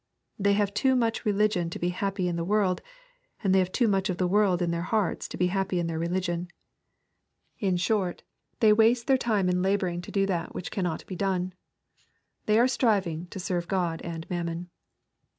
They have too much religion to be happy in the world, and they have too much of the world in their hearts to be happy in their religion. In short, they waste their time in laboring to do that which can 206 EXPOSITORY THOUGHTS. not be done. They are striviDg to " serve Gud and mammon."